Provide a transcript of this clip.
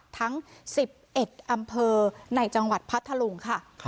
ทั้ง๑๑อำเภอในจังหวัดพัทธลุงค่ะ